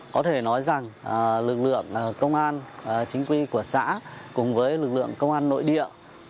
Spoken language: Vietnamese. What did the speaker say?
có thể nói rằng lực lượng công an chính quy của xã cùng với lực lượng công an nội địa